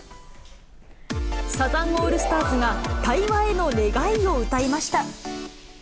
サザンオールスターズが、対話への願いを歌いました。